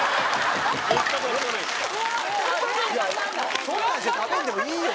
いやそんなんして食べんでもいいよ。